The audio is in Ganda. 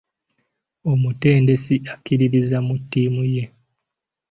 Omutendesi akkiririza mu ttiimu ye.